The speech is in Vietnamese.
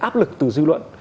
áp lực từ dư luận